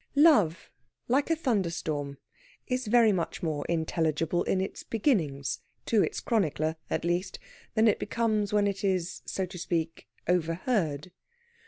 Love, like a thunderstorm, is very much more intelligible in its beginnings to its chronicler, at least than it becomes when it is, so to speak, overhead.